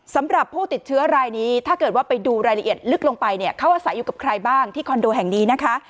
สำหรับผู้ติดเชื้อรายนี้ถ้าเกิดว่าไปดูรายละเอียดลึกลงไปเนี่ยเขาอาศัยอยู่กับใครบ้างที่คอนโดแห่งนี้นะคะ